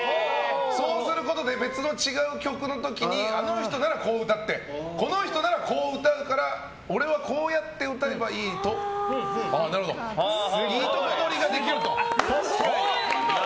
そうすることで別の違う曲の時にあの人ならこう歌ってこの人ならこう歌うから俺はこうやって歌えばいいとこ取りができると。